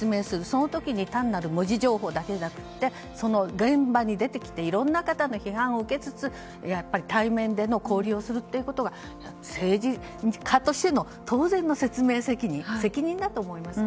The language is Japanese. その時に単なる文字情報だけじゃなくてその現場に出てきていろんな方の批判を受けつつ対面での交流をすることが政治家としての当然の説明責任だと思います。